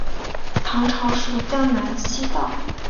唐朝属江南西道。